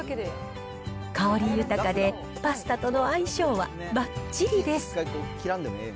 香り豊かで、パスタとの相性はばっちりです。